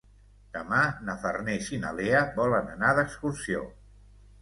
Demà na Farners i na Lea volen anar d'excursió.